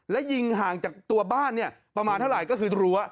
และยิงห่างจากตัวบ้านเนี่ยประมาณเท่าไหร่ก็คือรั้ว